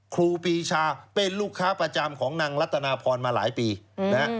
ครูปีชาเป็นลูกค้าประจำของนางรัตนาพรมาหลายปีนะฮะ